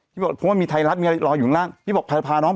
พี่บอกพวกมันมีไทยรัฐมีอะไรรออยู่ทางล่าง